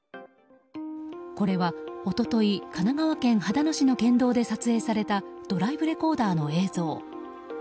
これは一昨日、神奈川県秦野市の県道で撮影されたドライブレコーダーの映像。